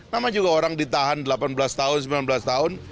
nama juga orang ditahan delapan belas tahun sembilan belas tahun